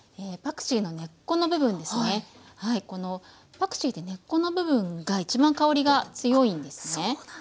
パクチーって根っこの部分が一番香りが強いんですね。